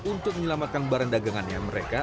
untuk menyelamatkan barang dagangannya mereka